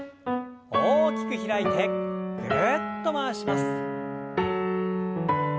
大きく開いてぐるっと回します。